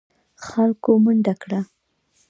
خلکو منډه کړه.